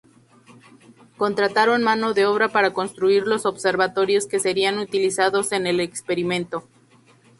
Contrataron mano de obra para construir los observatorios que serían utilizados en el experimento.